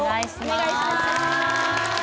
お願いします